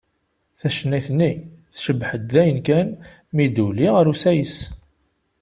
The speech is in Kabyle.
Tacennayt-nni tcebbeḥ-d dayen kan mi d-tuli ɣer usayes.